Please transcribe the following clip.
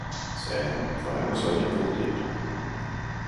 sagde han, for han var sådan en god digter.